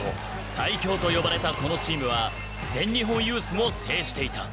最強と呼ばれたこのチームは全日本ユースも制していた。